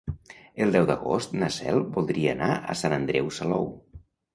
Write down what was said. El deu d'agost na Cel voldria anar a Sant Andreu Salou.